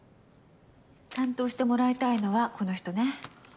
担当してもらいたいのはこの人ね。